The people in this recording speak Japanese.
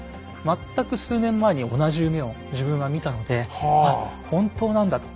全く数年前に同じ夢を自分は見たのであっ本当なんだと。